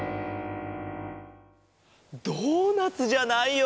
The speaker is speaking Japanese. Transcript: ドーナツじゃないよ。